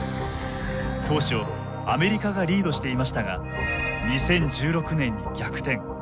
当初アメリカがリードしていましたが２０１６年に逆転。